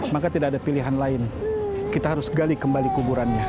maka tidak ada pilihan lain kita harus gali kembali kuburannya